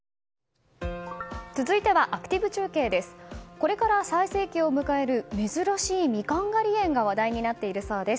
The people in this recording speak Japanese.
これから最盛期を迎える珍しいミカン狩り園が話題になっているそうです。